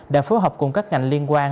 đã phối hợp cùng các ngành liên quan